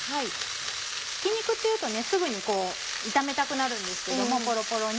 ひき肉っていうとすぐに炒めたくなるんですけどもポロポロに。